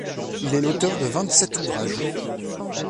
Il est l'auteur de vingt-sept ouvrages.